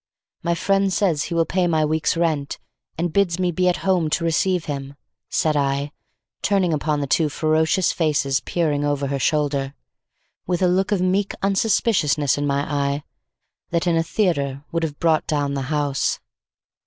"My friend says he will pay my week's rent and bids me be at home to receive him," said I, turning upon the two ferocious faces peering over her shoulder, with a look of meek unsuspiciousness in my eye, that in a theatre would have brought down the house.